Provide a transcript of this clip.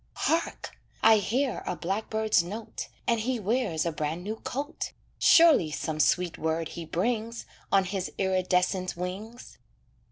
Hark! I hear a blackbird's note, And he wears a brand new coat; Surely some sweet word he brings, On his iridescent wings.